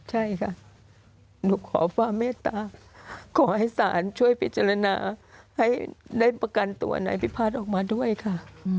ใช่ค่ะหนูขอความเมตตาขอให้ศาลช่วยพิจารณาให้ได้ประกันตัวนายพิพัฒน์ออกมาด้วยค่ะ